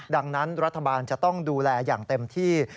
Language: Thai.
ดังนั้นรัฐบาลจะต้องดูแลอย่างเต็มที่